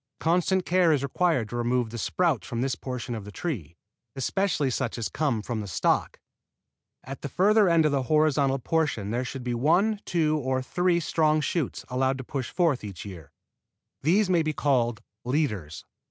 Constant care is required to remove the sprouts from this portion of the tree, especially such as come up from the stock. At the further end of the horizontal portion there should be one, two, or three strong shoots allowed to push forth each year. These may be called leaders.